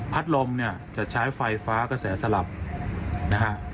ลมเนี่ยจะใช้ไฟฟ้ากระแสสลับนะฮะ